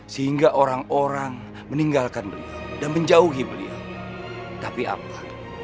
sehingga orang orang meninggalkan beliau dan menjauhi beliau